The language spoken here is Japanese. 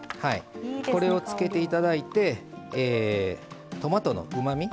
これをつけて頂いてトマトのうまみ